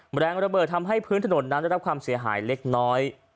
แรงระเบิดทำให้พื้นถนนนั้นได้รับความเสียหายเล็กน้อย